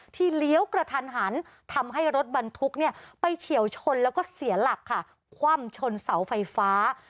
ที่เลี้ยวกระทันหันทำให้รถบันทึกไปเฉียวชนและเสียหลักคว่ำชนเสาไฟฟ้า